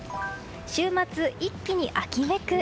週末、一気に秋めく。